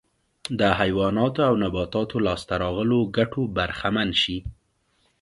د حیواناتو او نباتاتو لاسته راغلو ګټو برخمن شي